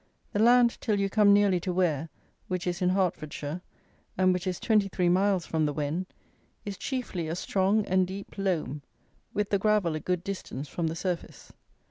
The land till you come nearly to Ware which is in Hertfordshire, and which is twenty three miles from the Wen, is chiefly a strong and deep loam, with the gravel a good distance from the surface.